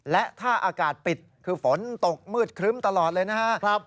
และถ้าอากาศปิดคือฝนตกมืดครึ้มตลอดเลยนะครับ